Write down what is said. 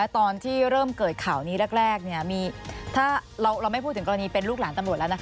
ตอนที่เริ่มเกิดข่าวนี้แรกถ้าเราไม่พูดถึงกรณีเป็นลูกหลานตำรวจแล้วนะคะ